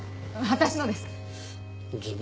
私のです。